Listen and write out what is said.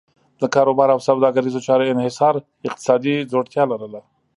د کاروبار او سوداګریزو چارو انحصار اقتصادي ځوړتیا لرله.